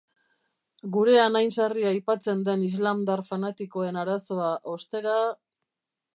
Gurean hain sarri aipatzen den islamdar fanatikoen arazoa, ostera...